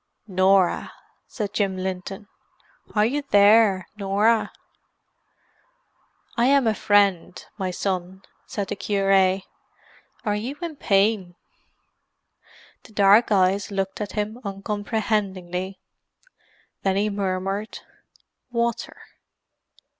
"Norah," said Jim Linton. "Are you there, Norah?" "I am a friend, my son," said the cure. "Are you in pain?" The dark eyes looked at him uncomprehendingly. Then he murmured, "Water!"